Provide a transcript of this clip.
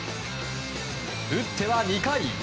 打っては２回。